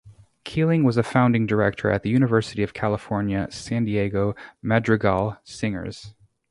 Keeling was a founding director of the University of California, San Diego Madrigal Singers.